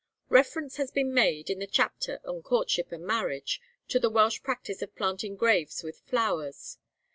Reference has been made, in the chapter on courtship and marriage, to the Welsh practice of planting graves with flowers.